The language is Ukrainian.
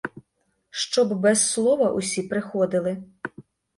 Щоб без слова усі приходили.